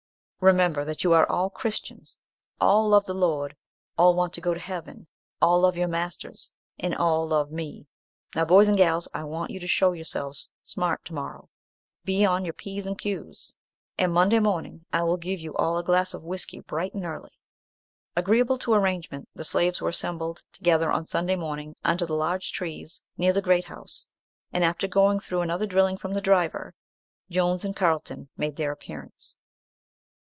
Remember that you are all Christians, all love the Lord, all want to go to heaven, all love your masters, and all love me. Now, boys and gals, I want you to show yourselves smart to morrow: be on your p's and q's, and, Monday morning, I will give you all a glass of whiskey bright and early." Agreeable to arrangement the slaves were assembled together on Sunday morning under the large trees near the great house, and after going through another drilling from the driver, Jones and Carlton made their appearance.